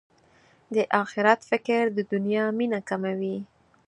د اخرت فکر د دنیا مینه کموي.